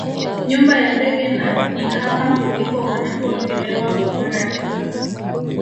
Nyumba ya ndege na ni hapa ndipo wanaponyolewa kwa mara ya kwanza